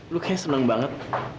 lu kayaknya seneng banget